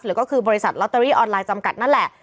ก็คือบริษัทลอตเตอรี่ออนไลน์จำกัดนั่นแหละ